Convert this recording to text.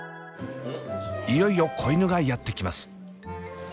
いよいよ子犬がやって来ます。